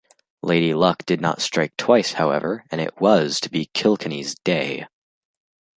Lady Luck did not strike twice however and it was to be Kilkenny's day.